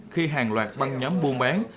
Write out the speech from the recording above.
khi hàng loạt băng nhóm buôn bán